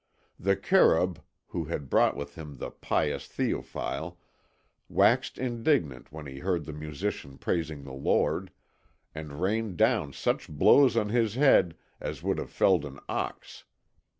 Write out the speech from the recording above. The Kerûb, who had brought with him the pious Théophile, waxed indignant when he heard the musician praising the Lord, and rained down such blows on his head as would have felled an ox.